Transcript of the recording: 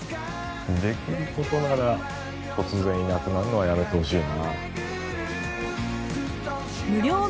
できる事なら突然いなくなるのはやめてほしいな。